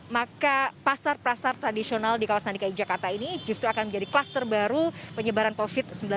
maka pasar pasar tradisional di kawasan dki jakarta ini justru akan menjadi kluster baru penyebaran covid sembilan belas